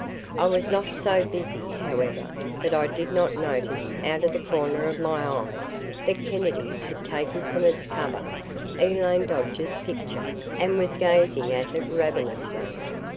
I was not so busy, however, that I did not notice out of the corner of my eye that Kennedy had taken from its cover Elaine Dodge's picture and was gazing at it ravenously.